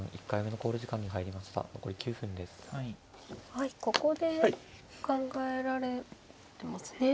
はいここで考えられてますね。